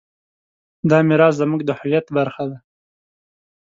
دا میراث زموږ د هویت برخه ده.